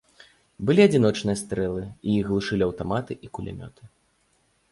Былі адзіночныя стрэлы, і іх глушылі аўтаматы і кулямёты.